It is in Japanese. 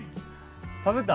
食べた？